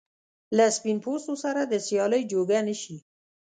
له سپین پوستو سره د سیالۍ جوګه نه شي.